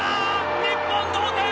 日本同点。